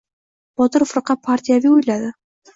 Botir firqa partiyaviy o‘yladi: